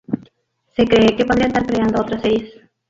Se cree que podría estar creando otras series.